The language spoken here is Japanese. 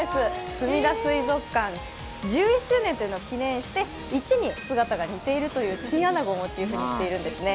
すみだ水族館１１周年というのを記念して、１に姿が似ているというチンアナゴをモチーフにしているんですね。